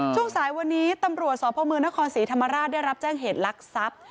ช่วงสายวันนี้ตำรวจสพมนครศรีธรรมราชได้รับแจ้งเหตุลักษัพ